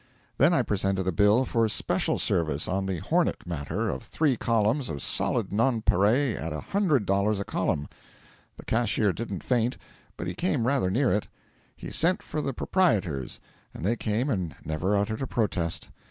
Then I presented a bill for 'special' service on the 'Hornet' matter of three columns of solid nonpareil at a hundred dollars a column. The cashier didn't faint, but he came rather near it. He sent for the proprietors, and they came and never uttered a protest.